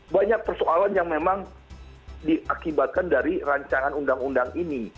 banyak persoalan yang memang diakibatkan dari rancangan undang undang ini